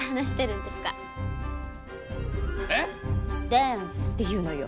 ダンスっていうのよ。